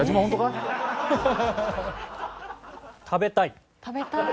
食べたい。